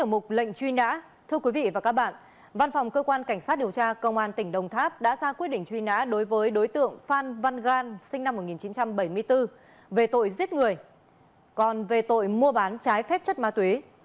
mua bán trái phép chất má tuế